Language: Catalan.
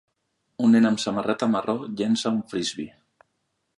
un nen amb samarreta marró llença un Frisbee.